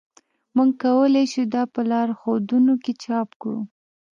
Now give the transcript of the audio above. موږ کولی شو دا په لارښودونو کې چاپ کړو